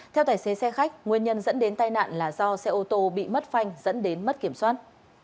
theo tài xế xe khách nguyên nhân dẫn đến tai nạn là do xe ô tô bị mất phanh dẫn đến mất kiểm soát